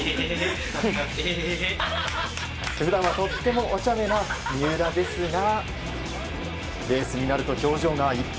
普段はとってもおちゃめな三浦ですがレースになると表情が一変。